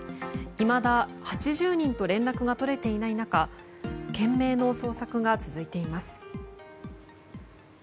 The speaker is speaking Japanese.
いまだ８０人と連絡が取れていない中懸命の捜索が続いています。